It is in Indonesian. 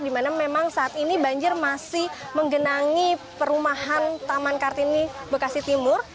di mana memang saat ini banjir masih menggenangi perumahan taman kartini bekasi timur